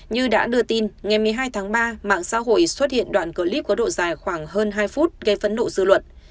như đã đưa tin ngày một mươi hai tháng ba mạng xã hội xuất hiện đoạn clip có độ dài khoảng hơn hai phút gây phấn nộ dư luận